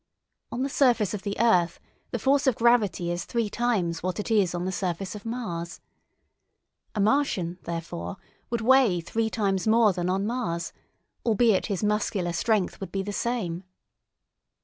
On the surface of the earth the force of gravity is three times what it is on the surface of Mars. A Martian, therefore, would weigh three times more than on Mars, albeit his muscular strength would be the same.